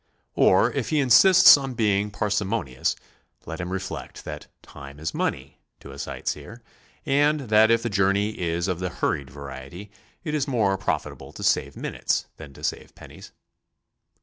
Or if he insists on being parsimonious, let him reflect that "time is money" to a sig'ht seer, and that if the journey is of the hurried variety, it is more profitable to save minutes than to save pennies.